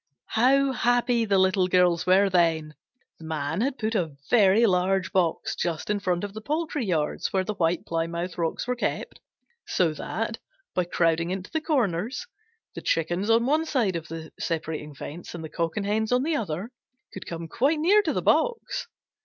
How happy the Little Girls were then! The Man had put a very large box just in front of the poultry yards where the White Plymouth Rocks were kept, so that, by crowding into the corners, the Chickens on one side of the separating fence and the Cock and Hens on the other could come quite near to the box.